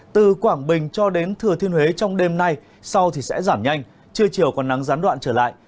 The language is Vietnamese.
từ quảng bình cho đến thừa thiên huế trong đêm nay sau sẽ giảm nhanh trưa chiều còn nắng gián đoạn trở lại